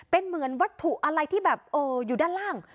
เป็นเหมือนวัตถุอะไรที่แบบอยู่ด้านล่าง